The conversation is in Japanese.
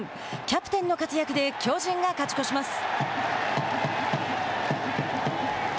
キャプテンの活躍で巨人が勝ち越します。